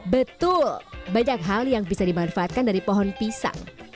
betul banyak hal yang bisa dimanfaatkan dari pohon pisang